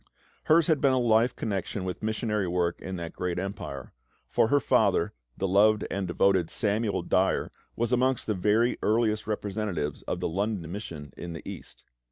Hers had been a life connection with missionary work in that great empire; for her father, the loved and devoted Samuel Dyer, was amongst the very earliest representatives of the London Mission in the East.